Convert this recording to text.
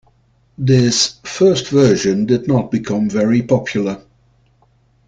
This first version did not become very popular.